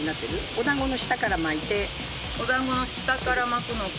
おだんごの下から巻いておだんごの下から巻くのか